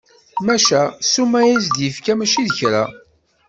Maca, ssuma i as-d-yefka mačči d kra!